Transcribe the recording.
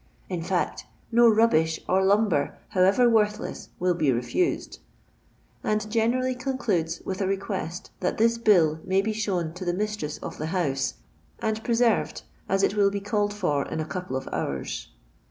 in fact, no rubbish or lumber, however worthless, will be refused ;" and gene rally concludes with a request that this "bill" may be shown to the mistress of the house and preserved, as it will be called for in a couple of hours.